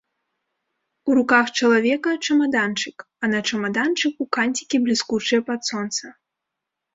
У руках чалавека чамаданчык, а на чамаданчыку канцікі бліскучыя пад сонца.